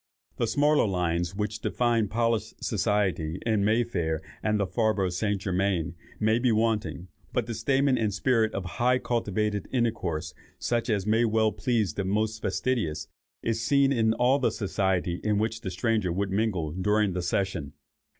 The smaller lines which define polished society in May Fair, and the Faubourg St. Germain, may be wanting, but the stamen and spirit of high and cultivated intercourse, such as may well please the most fastidious, is seen in all the society in which the stranger would mingle during the session.